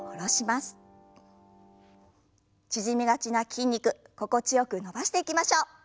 縮みがちな筋肉心地よく伸ばしていきましょう。